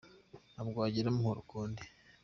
Ntabwo wagira amahoro ukundi.